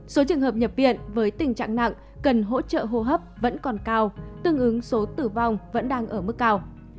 số trường hợp nhập viện với tình trạng nặng cần hỗ trợ hô hấp vẫn còn cao tương ứng số tử vong vẫn đang ở mức cao